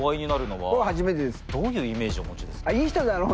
どういうイメージをお持ちですか？